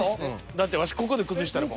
だってワシここで崩したらもう。